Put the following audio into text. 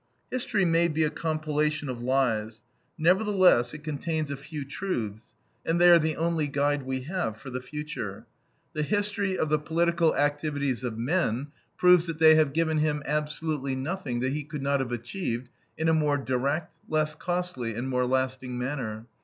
History may be a compilation of lies; nevertheless, it contains a few truths, and they are the only guide we have for the future. The history of the political activities of men proves that they have given him absolutely nothing that he could not have achieved in a more direct, less costly, and more lasting manner.